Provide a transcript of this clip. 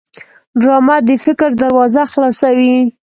ډرامه د فکر دروازه خلاصوي